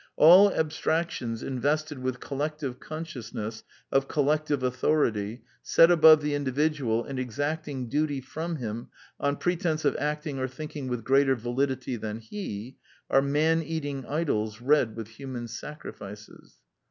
All abstractions invested with collective consciousness of collective authority, set above the individual, and exacting duty from him on pretence of acting or thinking with greater validity than he, are man eating idols red with human sacrifices.